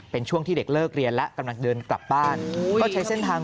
เป็นช่วงที่เด็กเลิกเรียนแล้วกำลังเดินกลับบ้านก็ใช้เส้นทาง